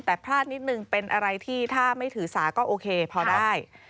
แต่พลาดนิดนึงเป็นอะไรที่ถ้าไม่ถือสาก็โอเคพอได้